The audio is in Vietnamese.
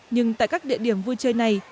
nhưng tại các địa điểm vui chơi này